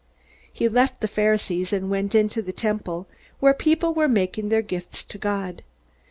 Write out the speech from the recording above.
He left the Pharisees and went into the Temple, where people were making their gifts to God.